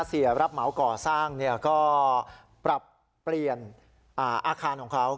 เสียรับเหมาก่อสร้างก็ปรับเปลี่ยนอาคารของเขา